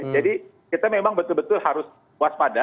jadi kita memang betul betul harus waspada